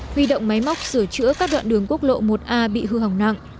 huy động máy móc sửa chữa các đoạn đường quốc lộ một a bị hư hỏng nặng